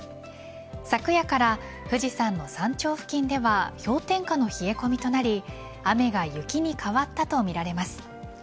昨夜から富士山の山頂付近では氷点下の冷え込みとなり雨が雪に変わったとみられます。